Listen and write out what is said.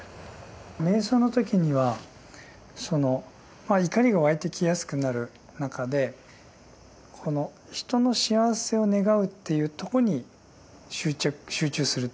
瞑想の時には怒りが湧いてきやすくなる中で人の幸せを願うっていうとこに集中するっていうか